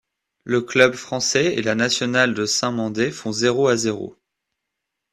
Le Club français et la Nationale de Saint-Mandé font zéro à zéro.